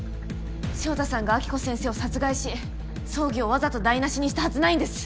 潮田さんが暁子先生を殺害し葬儀をわざと台無しにしたはずないんです。